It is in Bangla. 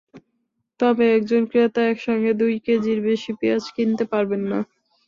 তবে একজন ক্রেতা একসঙ্গে দুই কেজির বেশি পেঁয়াজ কিনতে পারবেন না।